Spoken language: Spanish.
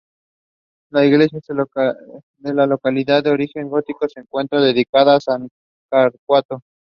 La iglesia de la localidad, de origen gótico, se encuentra dedicada a San Torcuato.